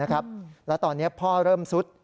แล้วตอนนี้พ่อเริ่มซุด